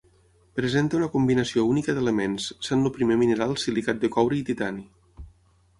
Presenta una combinació única d'elements, sent el primer mineral silicat de coure i titani.